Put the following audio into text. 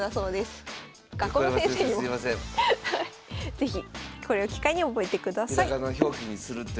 是非これを機会に覚えてください。